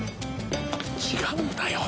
違うんだよ！